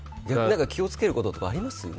気を付けることとかあります？